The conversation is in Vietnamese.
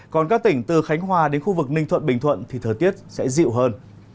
còn các tỉnh từ khánh hòa đến khu vực ninh thuận bình thuận thì thời tiết sẽ dịu hơn